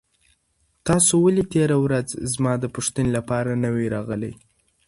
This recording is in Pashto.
تاسو ولې تېره ورځ زما د پوښتنې لپاره نه وئ راغلي؟